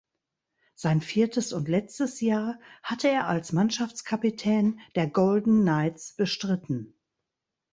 Sein viertes und letztes Jahr hatte er als Mannschaftskapitän der Golden Knights bestritten.